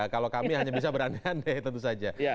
kalau kami hanya bisa berande ande tentu saja